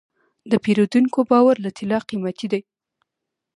د پیرودونکي باور له طلا قیمتي دی.